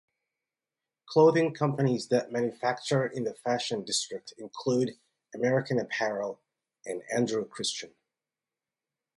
Clothing companies that manufacture in the Fashion District include American Apparel and Andrew Christian.